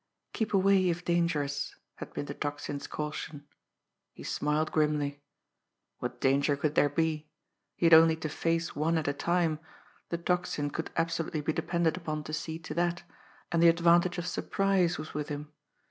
"Keep away, if dangerous," had been the Tocsin's caution. He smiled grimly. What danger could there be? He had only to face one at a time; the Tocsin could absolutely be depended upon to see to that, and the advantage of surprise was with him.